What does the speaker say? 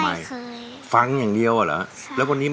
ถ้าไม่กล้าเราก็ไม่รู้ว่าเราจะทำได้ไหม